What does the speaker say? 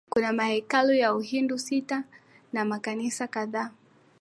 Kuna mahekalu ya Uhindu sita na makanisa kadhaa